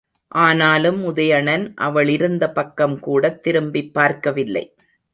ஆனாலும் உதயணன் அவளிருந்த பக்கம் கூடத் திரும்பிப் பார்க்கவில்லை.